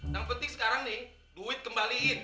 yang penting sekarang nih duit kembaliin